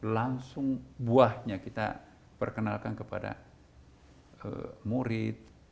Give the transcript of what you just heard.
langsung buahnya kita perkenalkan kepada murid